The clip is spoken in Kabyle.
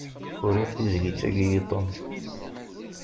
Uriɣ tizlit-agi i Tom.